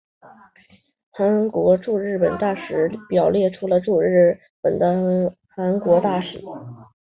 韩国驻日本大使列表列出历任所有驻日本的韩国大使。